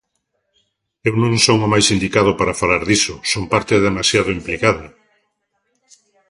Eu non son o máis indicado para falar diso, son parte demasiado implicada.